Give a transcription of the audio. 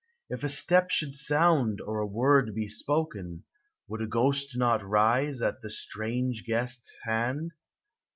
If a step should sound or a word be spoken, Would a ghost not rise at the strange guest's hand?